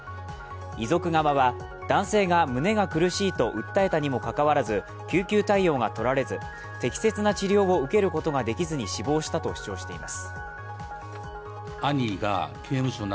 遺族側は男性が胸が苦しいと訴えたにもかかわらず救急対応がとられず、適切な治療を受けることができずに死亡したと主張しています。